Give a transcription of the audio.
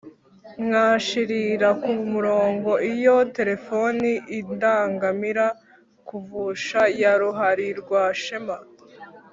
Mwashirira ku murongo iyo telefoniIndangamira kuvusha ya Ruhalirwashema,